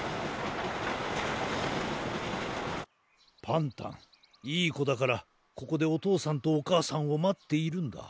パンタンいいこだからここでおとうさんとおかあさんをまっているんだ。